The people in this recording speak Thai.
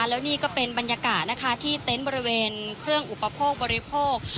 แล้วนี่ก็เป็นบรรยากาศนะคะที่เต็นต์บริเวณเครื่องอุปโภคบริโภค